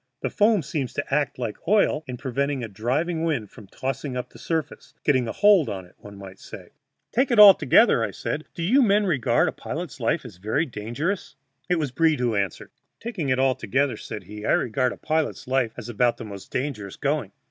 The foam seems to act like oil in preventing a driving wind from tossing up the surface getting a hold on it, one might say. "Taking it altogether," I asked, "do you men regard a pilot's life as very dangerous?" It was Breed who answered: "Taking it altogether," said he, "I regard a pilot's life as about the most dangerous going.